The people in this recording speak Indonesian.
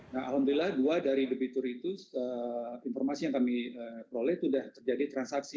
nah alhamdulillah dua dari debitur itu informasi yang kami peroleh itu sudah terjadi transaksi